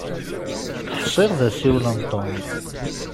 Ḥsiɣ d asiwel n Tom.